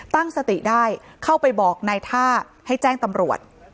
ตั้งสติได้เข้าไปบอกนายท่าให้แจ้งตำรวจ